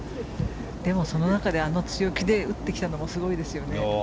でもその中であの強気で打ってきたのもすごいですよね。